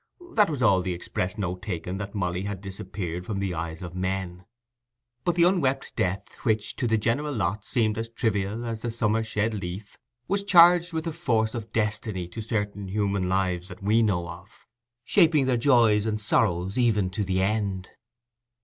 That was all the express note taken that Molly had disappeared from the eyes of men. But the unwept death which, to the general lot, seemed as trivial as the summer shed leaf, was charged with the force of destiny to certain human lives that we know of, shaping their joys and sorrows even to the end.